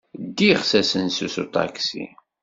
Ddiɣ s asensu s uṭaksi.